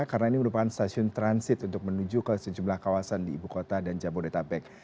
karena ini merupakan stasiun transit untuk menuju ke sejumlah kawasan di ibu kota dan jabodetabek